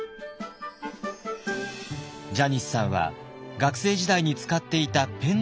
ジャニスさんは学生時代に使っていたペンネームが